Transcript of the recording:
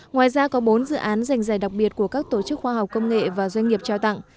ngoài ra có bốn dự án giành giải đặc biệt của các tổ chức khoa học công nghệ và doanh nghiệp trao tặng